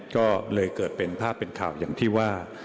ก็เลยเกิดเป็นภาพเป็นข่าวอย่างที่ว่า